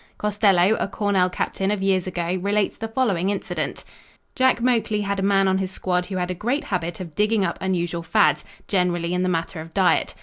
Costello, a Cornell captain of years ago, relates the following incident: "Jack Moakley had a man on his squad who had a great habit of digging up unusual fads, generally in the matter of diet.